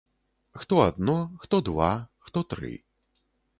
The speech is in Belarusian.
Хто адно, хто два, хто тры.